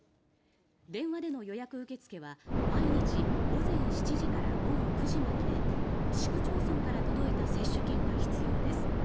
電話での予約受け付けは毎日午前７時から午後９時までで市区町村から届いた接種券が必要です。